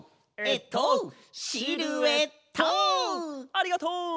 ありがとう！